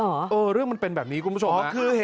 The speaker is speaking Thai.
เออเรื่องมันเป็นแบบนี้คุณผู้ชม